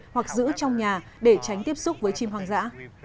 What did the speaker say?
hoặc giữ trong nhà để tránh tiếp xúc với chim hoang dã